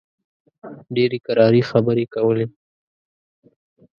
ډېرې کراري خبرې کولې.